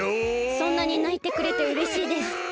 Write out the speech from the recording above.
そんなにないてくれてうれしいです。